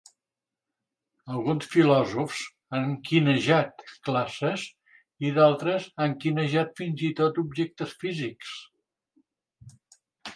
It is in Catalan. Alguns filòsofs han "quinejat" classes i d'altres han "quinejat" fins i tot objectes físics.